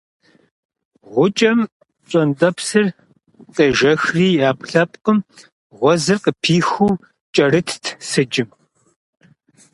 Гъукӏэм пщӏантӏэпсыр къежэхрэ и ӏэпкълъэпкъым гъуэзыр къыпихыу кӏэрытт сыджым.